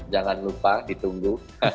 jangan lupa ditunggu